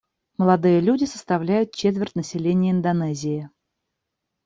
Молодые люди составляют четверть населения Индонезии.